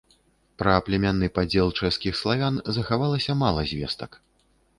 Пра племянны падзел чэшскіх славян захавалася мала звестак.